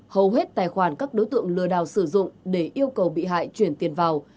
hầu hết tài khoản các đối tượng lừa đảo sử dụng để yêu cầu bị hại chuyển tiền vào